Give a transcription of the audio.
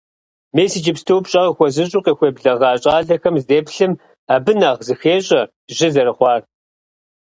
Мис иджыпсту, пщӀэ къыхуэзыщӀу къыхуеблэгъа щӀалэхэм здеплъым, абы нэхъ зыхещӀэ жьы зэрыхъуар.